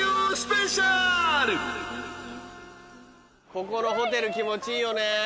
ここのホテル気持ちいいよね。